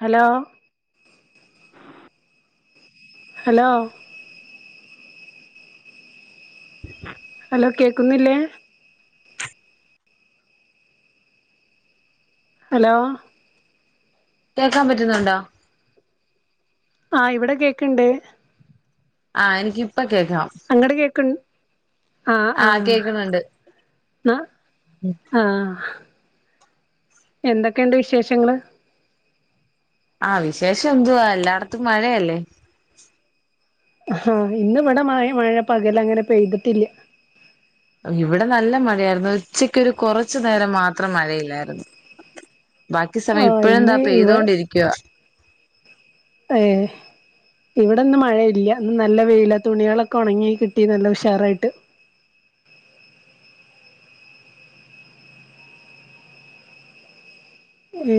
Hello hello hello കേക്കുന്നില്ലേ hello കേക്കാൻ പറ്റുന്നുണ്ടോ ആ ഇവിടെ കേക്കണ്ട് ആ എനിക്ക് ഇപ്പൊ അങ്ങട്ട് കേക്ക് ആ ആ ആകേക്കുന്നണ്ട് ന്ന ആ എന്തൊക്കെയുണ്ട് വിശേഷങ്ങള് ആഹ വിശേഷം എന്തുവാ എല്ലായിടത്തും മഴയല്ലേ ആഹ ഇന്ന് ഇവിടെ മഴ മഴ പകലങ്ങനെ പെയ്തിട്ടില്ല ഇവിടെ നല്ല മഴയായിരുന്നു. ഉച്ചക്ക് ഒരു കുറച്ചു നേരം മാത്രം മഴയില്ലായിരുന്നു. ബാക്കി ആ സമയം ഇപ്പോയും താ ഇന്ന് ഇവ പെയ്തൊണ്ടിരിക്കുവാ ഏ ഇവിടെന്ന് മഴയില്ല. നല്ല വെയില തുണികളൊക്കെ ഉണങ്ങി കിട്ടി നല്ല ഉഷാറായിട്ട് ഏ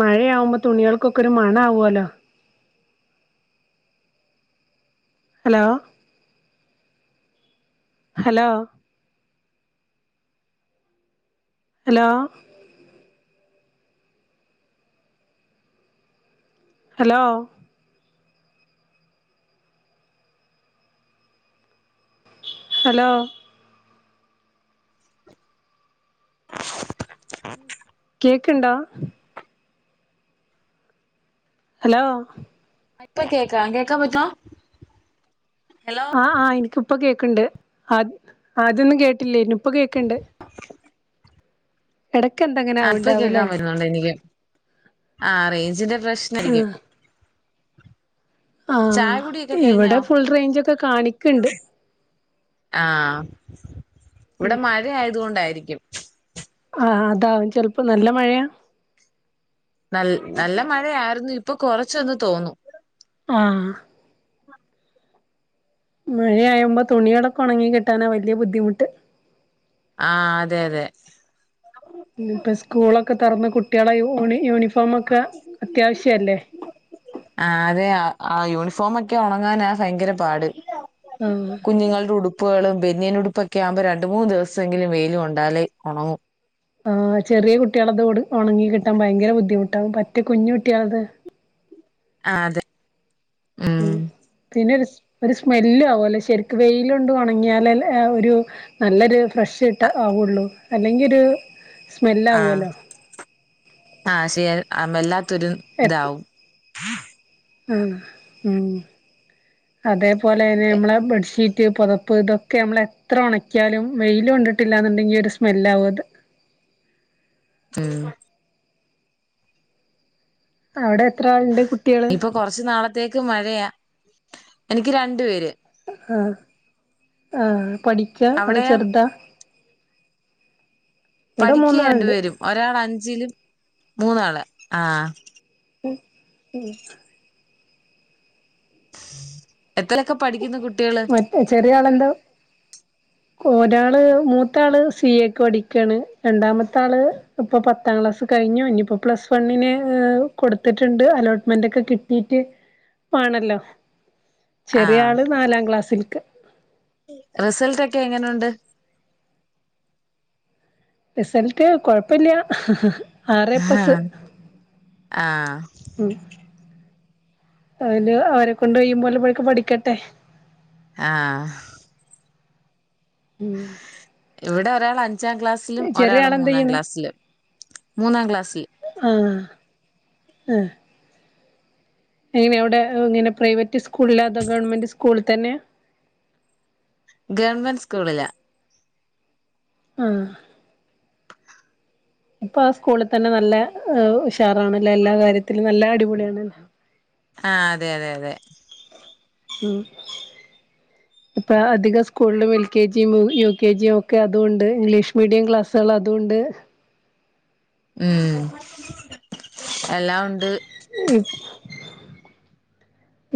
മഴയാവുമ്പോ തുണികൾക്കൊക്കെ ഒരു മണ ആവുല്ലോ hello hello hello hello hello കേക്ക്ണ്ടോ ഹലോ ഇപ്പ കേക്കാ കേക്കാൻ പറ്റോ ഹലോ ആഹ് ആഹ് ഇൻക്ക് ഇപ്പൊ കേക്ക ണ്ട് ആദ് ആദ്യൊന്നും കേട്ടില്ലേനും ക് ഇപ്പ കേൾക്ക്ണ്ട് ഇടക്ക എന്തങ്ങനെ ആവുണ്ടാവുലേ ആ റേഞ്ചിന്റെ പ്രശ്നായ്ക്കും ആ ആഹ് ഇവിടെ കഴിഞ്ഞോ ഫുൾ റേഞ്ച് ഒക്കെ കാണിക്ക്ണ്ട് ആഹ് ഇവിടെ മഴ ആയതോണ്ടായിരിക്കും ആ ആ അതാവും ചിലപ്പോ നല്ല മഴയാ നൽ നല്ല മഴയായിരുന്നു ഇപ്പൊ കൊറച്ചൊന്ന് തോന്നും ആഹ് മഴയായുമ്പോ തുണികളൊക്കെ ഉണങ്ങി കിട്ടാനാ വല്യ ബുദ്ധിമുട്ട് ആ അതെ അതെ ഉം പ്പ സ്കൂളൊക്കെ തൊറന്ന് കുട്ട്യേളെ യൂണി യൂണിഫോമൊക്കെ അത്യാവശ്യല്ലേ ആഹ് അതെ ആ യൂണിഫോമൊക്കെ ഉണങ്ങാനാ ഭയങ്കര പാട് ആഹ് കുഞ്ഞുങ്ങളുടെ ഉടു പ്പളും ബെന്നിയനുടുപ്പൊക്കെ ആവുമ്പോ രണ്ട് മൂന്ന് ദിവെസങ്കിലും വെയിലും കൊണ്ടാലേ ഒണങ്ങു ആ ചെറിയ കുട്ടിയാണതോട് ഉണങ്ങികിട്ടാൻ ഭയങ്കര ബദ്ധിമു ട്ടാവും പറ്റെ കുഞ്ഞ് കുട്ടിയാത് അ അതെ ഉം പിന്നെ [unintelligible] ഒരു സ്മെല്ലാവുലേ ശരിക്ക് വെയിലൊണ്ട് ഉണങ്ങിയാലേ ലെ ആ ഒരു നല്ലൊരു ഫ്രഷ് കിട്ട ആവുള്ളൂ അല്ലെങ്കിൽ ഒരു ആഹ സ്മെല്ലാവുല്ലോ ആഹ ശ ആമേല്ല തുരു ഇതാവും [inaudible] [unintelligible] ആ ഉം അതേപോലെന്നെ നമ്മളെ ബെഡ്ഷീറ്റ് പുതപ്പ് ഇതൊക്കെ നമ്മളെത്ര ഉണക്കിയാലും വെയില് കൊണ്ടിട്ടില്ലന്നുണ്ടെങ്കി ഒരു സ്മെല്ലാവും അത് ഉം [unintelligible] അവ്ടെ ഇപ്പൊ കൊറച്ചു നാളത്തേക്ക് മഴയാ എനിക്ക് രണ്ടു പേര് ആ ആ പഠിക്ക അത അവിടെയോ? ചെറുതാ ഇവിടെ പഠിക്കാ രണ്ടു മൂന്നാളുണ്ട് പേരും ഒരാൾ അഞ്ചിലും മൂന്നാള് ആ ഉം ഉം [unintelligible] എത്രേലക്കെ പഠിക്കുന്നു കുട്ടികള് മറ്റേ ചെറിയ ആളെന്താ ഒരാള് മൂത്താള് സിഎക് പഠിക്കണ് രണ്ടാമത്താള് ഇപ്പൊ പത്താം ക്ലാസ് കഴിഞ്ഞു ഇനിയിപ്പോ പ്ലസ് വണ്ണിന് കൊടുത്തിട്ടുണ്ട് അലോട്ട്മെന്റ് ഒക്കെ കിട്ടീട്ട് വേണല്ലോ ചെറിയ ആള് നാലാം ക്ലാസ്സിൽക്ക് റിസൽട്ടക്കെ എങ്ങനുണ്ട് റിസൾട്ട് കൊഴപ്പയില്ല്യാ ആ ആ അതില് അവരെ കൊണ്ട് കയീം പോലെക്കെ പഠിക്കട്ടെ ആ ഇവിടെ [unintelligible] അഞ്ചാം ക്ലാസ്സിലും ചെറിയ ഒരാള് ആളെന്ത് മൂന്നാം ചെയ്യണ് ക്ലാസ്സിലും മൂന്നാം ക്ലാസ്സിൽ ആ എങ്ങനെ അവിടെ ഇങ്ങനെ പ്രൈവറ്റ് സ്കൂളിലതോ ഗവൺമെന്റ് സ്കൂളിൽ തന്നെ ഗവൺമെന്റ് സ്കൂളിലാ ആ ഇപ്പൊ ആ സ്കൂളിൽ തന്നെ നല്ല ഉഷാറാണല്ലോ എല്ലാ കാര്യത്തിലും നല്ല അടിപൊളിയാണ് ആഹ് അതെ അതെ അതെ ഉം ഇപ്പ അധിക സ്കൂളിലും എൽ കെ ജിയും യു കെ ജിയും ഒക്കെ അതും ഉണ്ട് ഇംഗ്ലീഷ് മീഡിയം ക്ലാസ്സുകൾ അതുണ്ട് ഉം എല്ലാം ഉണ്ട്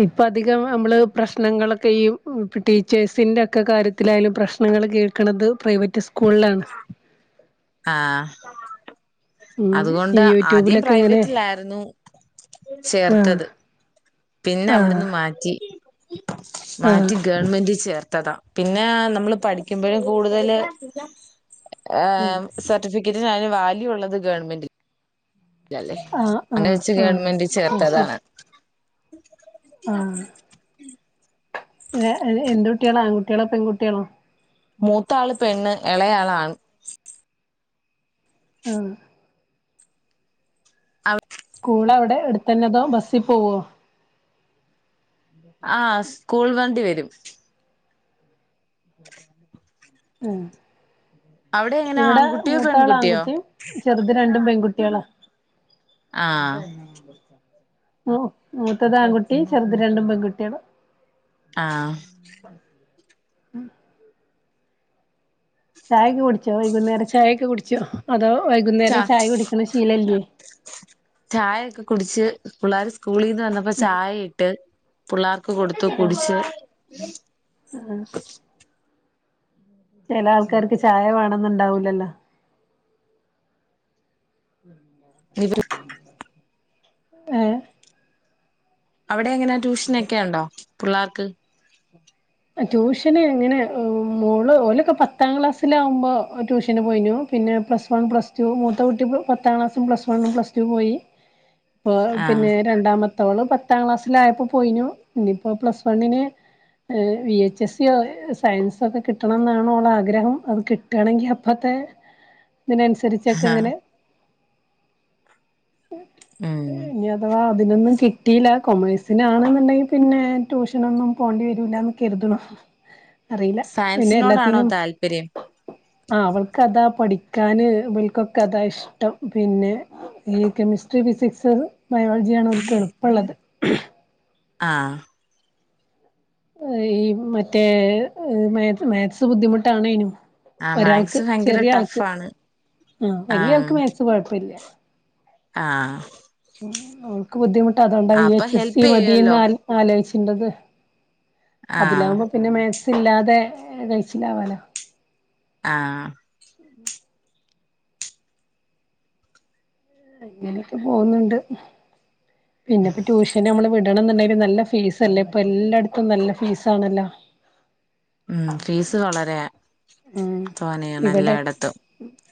ഇപ്പ അധികം നമ്മള് പ്രശ്നങ്ങളൊക്കെ ഈ ഇപ്പ ടീച്ചേഴ്സിന്റെ ഒക്കെ കാര്യത്തിലായാലും പ്രശ്നങ്ങൾ കേൾക്കണത് പ്രൈവറ്റ് സ്‌ സ്കൂളിലാണ് ആഹ് ഉം അതുകൊണ്ട് ഈ ആദ്യം യൂട്യൂബിലൊക്കെ ഇങ്ങനെ പ്രൈവറ്റിലായിരുന്നു ആഹ് ചേർത്തത് പിന്നെ ആഹ് അവിടുന്ന് മാറ്റി ആഹ് മാറ്റി ഗവൺമെന്റ് ചേർ ത്തതാ പിന്നെ നമ്മള് പഠിക്കുമ്പഴും കൂടുതല് ഏഹ്‌ സർട്ടിഫിക്ക് [unintelligible] അയിന് വാല്യൂ ഉള്ളത് ഗവൺമെന്റ് ഇല്ലല്ലേ ആഹ് അങ്ങനെ ആഹ് വെ ച്ച് ആഹ് ഗവൺമെന്റിൽ ആഹ് ശരി ചേർത്തതാണ് ഉ [unintelligible] ഇ അ എന്ത് കുട്ടികളാ ആൺകുട്ടികളോ പെൺകുട്ടികളോ മൂത്താള് പെണ്ണ് ഇളയാള് ആൺ ആ അവർക് സ്കൂൾ എവിടെ അടുത്തന്നെതോ ബസ്സിപോവോ ആആ സ്കൂൾ വണ്ടി വരും ഉം അവിടെ എങ്ങനെ ഇവിടെ ആൺകുട്ടിയോ പെൺകുട്ടിയോ മൂത്താളാൺകുട്ടിയും ചെറുത് രണ്ടും പെ കുട്ട്യള ആഹ് അതന്നെയാ ഉം മൂത്തത് ആൺകുട്ടിയും ചെറുത് രണ്ടും പെൺകുട്ടികളും ആ ഉം ചായൊക്കെ കുടിച്ചോ വൈകുന്നേരം ചായൊക്കെ കുടിച്ചോ അതോ ച വൈകുന്നേരം ചായ കുടിക്കണ ശീലമില്ലേ പിള്ളേരെ സ്കൂ സ്കൂളീന്ന് വന്നപ്പ ചായ ഇട്ട് പിള്ളേർക്ക് കൊടുത്തു കുടിച് ചില ആൾക്കാർക്കെ ചായ വേണന്നുണ്ടാവൂലല്ലോ ഏ [unintelligible] എങ്ങനെ ട്യൂഷനൊക്കെ ഉണ്ടോ പിള്ളാർക് ട്യൂഷന് എങ്ങനെ മോള് ഓലൊക്കെ പത്താം ക്ലാസ്സിലാവു മ്പോ ട്യൂഷന് പോയിന്നു പിന്നെ പ്ലസ് വൺ പ്ലസ് ടു മൂത്ത കുട്ടി പത്താം ക്ലാസ്സും പ്ലസ് വണ്ണും പ്ലസ്ടുവും പോയി പെ ആഹ് പിന്നെ രണ്ടാമത് ഓള് പത്താം ക്ലാസ്സിലയപ്പോ പോയിന്നു ഇനിപ്പോ പ്ലസ് വണ്ണിന് ഏ വി ച്ച്‌ സ് സി സയൻസൊക്കെ ക്കിട്ടണംന്നൊക്കെയാണ് ഓൾടെ ആഗ്രഹം അത് കിട്ടയാണെങ്കി അപ്പത്തെ ആഹ് ഇതിനനുസരിച്ചൊക്കെക്കിങ്ങനെ ഉം ഇനി അഥവാ അതിനൊന്നും കിട്ടിയില്ല കൊമേഴ്സിനാണെന്നുണ്ടെ പിന്നെ ട്യൂഷനൊന്നും പോണ്ടി ണ്ടന്ന് കരുതുവ അറിയില്ല പിന്നെ സയൻസിനോടാണോ എല്ലാത്തിനും താല്പര്യം ആ അവൾക്ക് അതാ പഠിക്ക ഇക്കാന ഇവർക്കൊക്കെ അതാ ഇഷ്ടം പിന്നെ ഈ കെമിസ്ട്രി ഫിസിക്സ് ബയോളജിയാണ് ഓലുക്ക് എളുപ്പള്ളത് [inaudible] ആ ഈ മറ്റേ മാത്ത്സ് ബുദ്ധിമുട്ടാണേനും ആഹ് ഒരാൾക്ക് മാത്സ് ഭയങ്കര ചെറിയ ടഫ് ആൾക്ക് ആണ് ആ വലിയ ആൾക്ക് മാത്ത്സ് കുഴപ്പമില്ല ആ ആ ഓൾക്ക ബുദ്ധിമുട്ടാ- അതൊണ്ടാ വി അപ്പൊ എച്ച് എസ് സി ഹെൽപ് മതിന്ന് ചെയ്യുവല്ലോ ആലോചിച്ച- ഇൻ്റത് ആഹ് അതിലാകുമ്പോ പിന്നെ മാത്ത്സ് ഇല്ലാതെ കഴിച്ചില്ലാവാലോ ആ ആ ഇങ്ങനെയൊക്കെ പോകുന്നുണ്ട് പിന്നെപ്പോ ട്യൂഷന് നമ്മള് വിടണം എന്നുണ്ടെങ്കിലും നല്ല ഫീസല്ലേ ഇപ്പൊ എല്ലായിടത്തും നല്ല ഫീസ് ആണല്ലോ ഉം ഫീസ് വളരെ ആഹ് തോനെയാണ് ഇവിടെ എല്ലായിടത്തും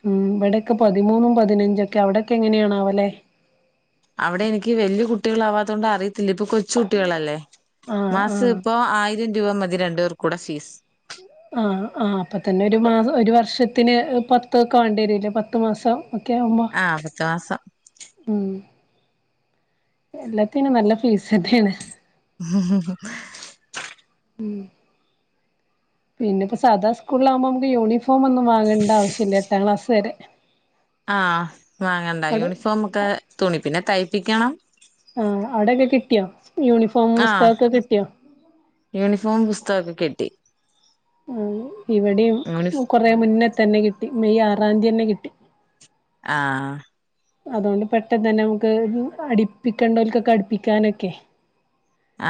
ഉം ഇവിടൊക്കെ പതിമൂന്നും പതിനഞ്ചൊക്കെ അവിടക്കെ എങ്ങനെയാണാവലെ അവിടെ എനിക്ക് വലിയ കുട്ടികളാവാത്തോണ്ട് അറിയ- ഇല്ല ഇപ്പൊ കൊച്ചു കുട്ടികളല്ലേ ആഹ് മാസം ആഹ് ഇപ്പ ആയിരം രൂപ മതി ഇത് രണ്ടുപേർകൂടെ ഫീസ് ആഹ് പത്തിന് പത്തൊക്കെ വേണ്ടി വരില്ലേ പത്ത് മാസം ആ പത്ത് മാസം ഉ എല്ലാത്തിനും നല്ല ഫീസെന്നെയാണ് ഉം ഉം ഉം ഉം പിന്നെപ്പൊ സാധാ സ്കൂളിലാവുമ്പോ നമുക്ക് യൂണിഫോം ഫോമൊന്നും വാങ്ങേണ്ട ആവശ്യല്ല എട്ടാം ക്ലാസ് വരെ. ആ വാങ്ങണ്ട അവിടെ യൂണിഫോം ഒക്കെ തുണി, പിന്നെ തൈപ് പ്പിക്കണം ട്ട്യോ ആ യൂണിഫോം പുസ്തകൊക്കെ കിട്ടി മ്മ് ഇവിടെയും, യൂണിഫ് കൊറേ മുന്നെത്തന്നെ കിട് ട്ടി മെയ് ആറാം തീയതി തന്നെ കിട്ടി ആ അതുകൊണ്ട് പെട്ടെന്ന് തന്നെ നമുക്ക് അടിപ്പിക്കേണ്ടവർക്കൊക്കെ അടിപ്പിക്കാനൊക്കെ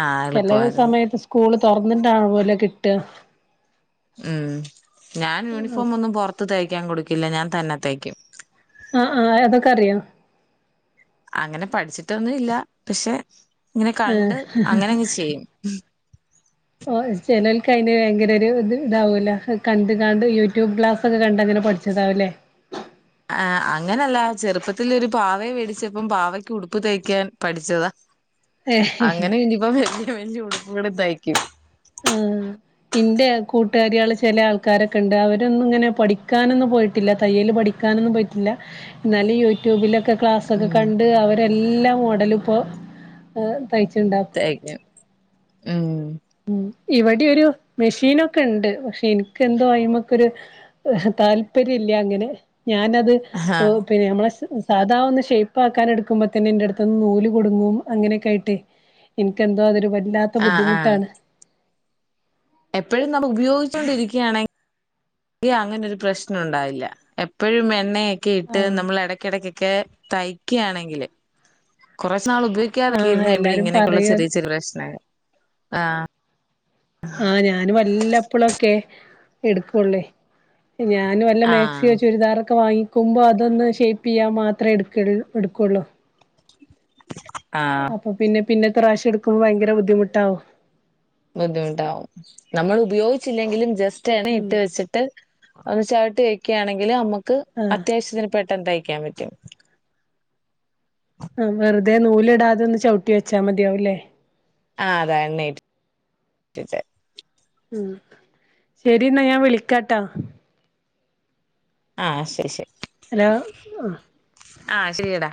ആഹ് ചെല എളുപ്പമായിരുന്നു സമയത്ത് സ്കൂള് തൊറന്നിട്ടാണ് പോലു കിട്ടാ ഉം ഞാൻ യൂണിഫോം ഒന്നും പൊറത്ത് തയ്ക്കാൻ കൊടുക്കില്ല. ഞാൻ തന്നെത്തയ്ക്കും ആ ആ അതൊക്കെ അറിയോ? അങ്ങനെ പഠിച്ചിട്ടൊന്നും ഇല്ല. പക്ഷെ ഇങ്ങനെ കണ്ട് അങ്ങനങ്ങ് ചെയ്യും ഓ ചെലോൽക്ക് അയിന് ഭയങ്കര ഒരു ഇത് ഇതാവൂലോ. കണ്ട്ങ്ങാണ്ട് യൂട്യൂബ് ക്ലാസൊക്കെ കണ്ടങ്ങനെ പഠിച്ചതാവുല്ലേ? ആ അങ്ങനല്ല. ചെറുപ്പത്തിൽ ഒരു പാവയെ വേടിച്ചപ്പം പാവയ്ക്ക് ഉടുപ്പ് തയ്ക്കാൻ പഠിച്ചതാ ഏഹ് അങ്ങനെ ഇനിപ്പോ വല്യ വല്യ ഉടുപ്പുകള് തയി ക്കും ആഹ് ഇന്റെ കൂട്ടുകാരികള് ചെല ആൾക്കാരൊക്കെ ഇണ്ട്. അവരൊന്നും ഇങ്ങനെ പഠിക്കാനൊന്നും പോയിട്ടില്ല. തയ്യല് പഠിക്കാനൊന്നും പോയിട്ടില്ല. എന്നാല് യൂട്യൂബിലൊ ക്കെ ക്ലാസൊക്കെ ഉം കണ്ട് അവർ എല്ലാ മോഡലു ഇപ്പോ ഏഹ് തയ്ക്കും. ഉം ഇവിടെ ഒരു മെഷീനൊക്കെ ഇണ്ട്. പക്ഷെ എനിക്ക് എന്തോ അയ്മക്കൊരു താല്പര്യല്ല അങ്ങനെ ഞാനത് ആഹ് പിന്നെ നമ്മളെ സ് സാധാ ഒന്ന് ഷേപ്പ് ആക്കാൻ എടുക്കുമ്പോ തന്നെ എന്റെട്ത്ത്ന്ന് നൂല് കുടുങ്ങും അങ്ങനെയൊക്കെ ആയിട്ട് എനിക്കെന്തോ അതൊരു വല്ലാത്ത ആഹ് ആഹ് ബുദ്ധിമുട്ടാണ് എപ്പഴും നമ്മ ഉപയോഗി ച്ചോണ്ടിരിക്കയാണെങ്കി അങ്ങനെ ഒരു പ്രശ്നൊണ്ടാവില്ല. എപ്പഴും എണ്ണയൊക് ക്കെ ഇട്ട് ആഹ് നമ്മൾ എടയ്ക്കിടക്കൊക്കെ തയ് ക്കാണെങ്കില് കുറ ച്ച് നാൾ ഉപയോഗിക്കാതൊക്കെ ആഹ് ഇരുന്ന് കഴിയുമ്പഴാ എല്ലാരും ഇങ്ങനെയൊക്കെയുള്ള പറയ ചെറിയ ചെറിയ പ്രശ്നങ്ങൾ ആ ആ ഞാനും വല്ലപ്പൊളൊക്കെ എടുക്കൊള്ളേ ഞാനു വല്ല ആഹ് മാക്സിയോ ചുരിദാറൊക്കെ വാങ്ങി ക്കുമ്പോ അതൊന്ന് ഷേപ്പിയ്യാൻ മാത്രേ എട്ക്കൽ എടുക്കുള്ളൂ [inaudible] ആഹ് അപ്പൊ പിന്നെ പിന്നെത്തെ പ്രാവശ്യം എടുക്കുമ്പോ ഭയങ്കര ബുദ്ധിമുട്ടാവും ബുദ്ധിമുട്ടാവും നമ്മൾ ഉപയോഗിച്ചില്ലെങ്കിലും ജസ് റ്റടെ ഇട്ട് വെച്ചിട്ട് ഒന്ന് ചവിട്ട് വെക്ക്യാണെങ്കില് അമ്മു ക് ആഹ് അത്യാവശ്യത്തിന് പെ ട്ടെന്തയിക്കാൻ പറ്റും ആ വെറുതെ നൂലിടാതെ ഒന്ന് ചവിട്ടി വെച്ചാ മതിയാവുല്ലേ ആഹ് അതാ എണ്ണയിട്ട് [inaudible] ഇട്ട് വെച്ചാമതി ഉം ശരി ന്നാ ഞാൻ വിളിക്കാട്ടാ ആഹ് ശരി ശരി ഹലോ അ ആഹ് ശരിയടാ